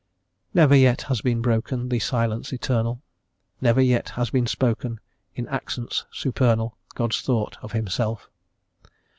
Never yet has been broken The silence eternal: Never yet has been spoken In accents supernal God's Thought of Himself.